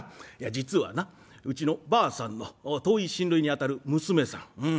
いや実はなうちのばあさんの遠い親類にあたる娘さん。